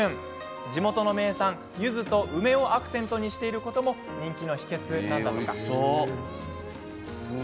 地元の名産、ゆずと梅をアクセントにしているのも人気の秘けつなんだとか。